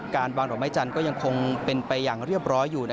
การวางดอกไม้จันทร์ก็ยังคงเป็นไปอย่างเรียบร้อยอยู่